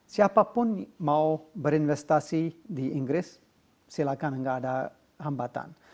siapa pun mau berinvestasi di inggris silakan tidak ada hambatan